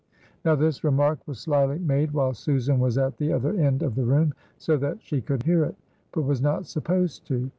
Now this remark was slyly made while Susan was at the other end of the room, so that she could hear it, but was not supposed to.